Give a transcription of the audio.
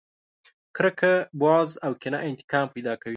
کرکه، بغض او کينه انتقام پیدا کوي.